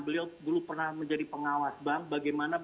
beliau dulu pernah menjadi pengawas bank bagaimana